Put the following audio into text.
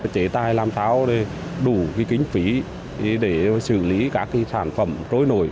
chế tài làm táo để đủ cái kính phí để xử lý các cái sản phẩm trối nổi